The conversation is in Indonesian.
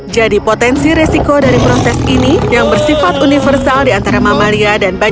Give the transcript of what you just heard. jadi potensi resiko dari proses ini yang bersifat universal di antara mamalia dan banyak kelebihan